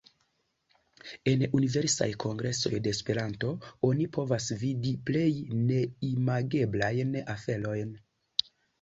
En Universalaj Kongresoj de Esperanto oni povas vidi plej neimageblajn aferojn.